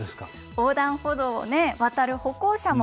横断歩道をね、渡る歩行者も、